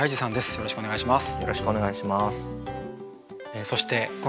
よろしくお願いします。